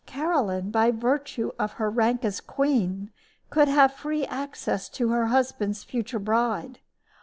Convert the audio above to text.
Caroline, by virtue of her rank as queen, could have free access to her husband's future bride.